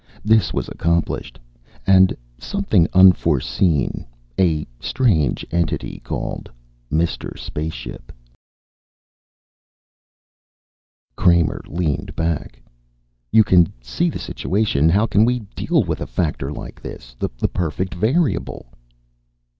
This was accomplished, and something unforeseen: a strange entity called Mr. Spaceship By Philip K. Dick Kramer leaned back. "You can see the situation. How can we deal with a factor like this? The perfect variable."